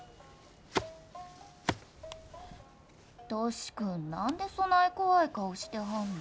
歳くん何でそない怖い顔してはんの？